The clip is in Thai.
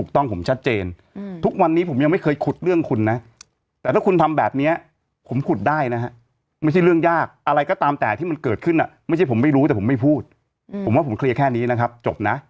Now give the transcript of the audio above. ทจะดูอีกนึงนะไม่ใช่ผมไม่รู้แต่ผมไม่พูดอือผมว่าผมเคลียร์แค่นี้นะครับจบนะ